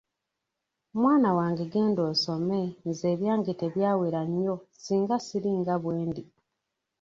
Mwana wange genda osome nze ebyange tebyawera nnyo singa siringa bwendi.